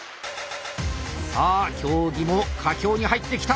さあ競技も佳境に入ってきた！